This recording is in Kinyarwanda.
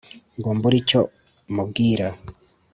ngo mbure icyo mubwira